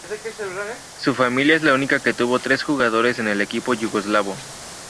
Su familia es la única que tuvo tres jugadores en el equipo yugoslavo.